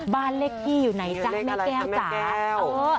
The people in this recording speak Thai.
บ้านเลขที่อยู่ไหนจ๊ะแม่แก้วจ๋า